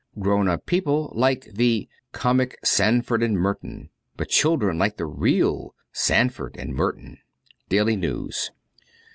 Grown up people like the " Comic Sandford and Merton," but children like the real "Sandford and Merton." 'Daily News.